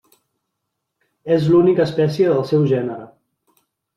És l'única espècie del seu gènere.